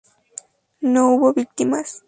No hubo víctimas.